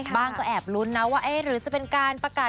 บ้างก็แอบลุ้นนะว่า